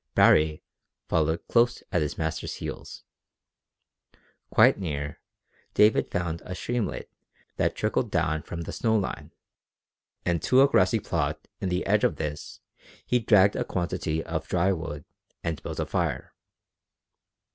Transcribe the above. Baree followed close at his master's heels. Quite near, David found a streamlet that trickled down from the snow line, and to a grassy plot on the edge of this he dragged a quantity of dry wood and built a fire.